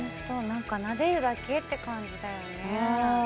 なんかなでるだけって感じだよね